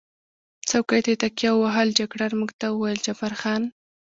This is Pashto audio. څوکۍ ته یې تکیه ووهل، جګړن موږ ته وویل: جبار خان.